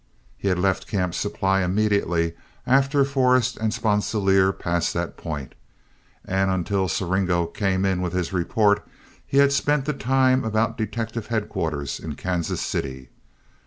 He had left Camp Supply immediately after Forrest and Sponsilier passed that point, and until Siringo came in with his report, he had spent the time about detective headquarters in Kansas City.